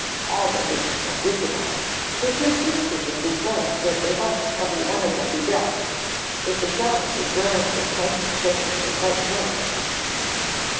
All, that is except Isabelle, who persisted in declaring that they must every one of them be deaf, as the sounds of groans and clanking chains were quite plain.